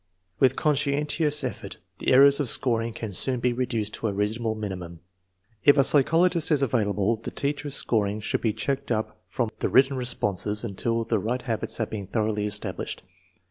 With conscientious effort the errors of scoring can soon be reduced to a reasonable If a psychologist is available, the teacher's scoring should be checked up from the written responses until the right habits have been thoroughly established.